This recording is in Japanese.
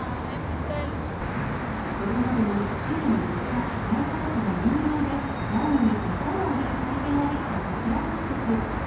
これまでに週に５日、来館者が有料で、ワニに餌をあげる体験ができたこちらの施設。